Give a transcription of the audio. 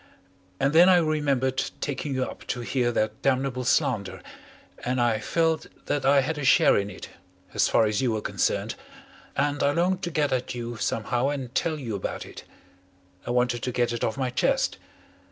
And then I remembered taking you up to hear that damnable slander, and I felt that I had a share in it, as far as you were concerned, and I longed to get at you somehow and tell you about it. I wanted to get it off my chest.